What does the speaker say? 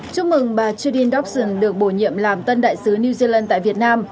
chúc mừng bà triden dobson được bổ nhiệm làm tân đại sứ new zealand tại việt nam